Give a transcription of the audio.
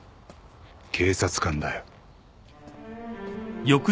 警察官だよ。